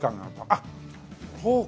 あっそうか！